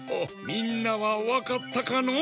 みんなはわかったかの？